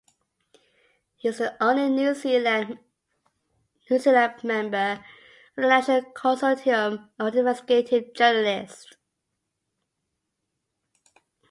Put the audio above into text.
He is the only New Zealand member of the International Consortium of Investigative Journalists.